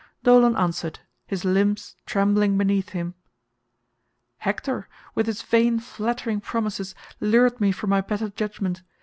Dolon answered, his limbs trembling beneath him: "Hector, with his vain flattering promises, lured me from my better judgement.